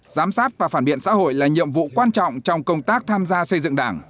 giám sát và phản biện xã hội là nhiệm vụ quan trọng trong công tác tham gia xây dựng đảng